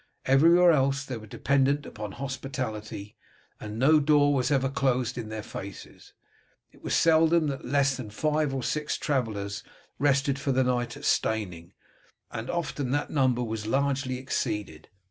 Everywhere else these were dependent upon hospitality, and no door was ever closed in their faces. It was seldom that less than five or six travellers rested for the night at Steyning, and often that number was largely exceeded.